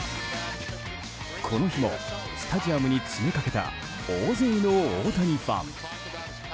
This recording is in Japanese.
この日もスタジアムに詰めかけた大勢の大谷ファン。